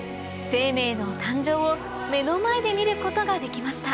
生命の誕生を目の前で見ることができました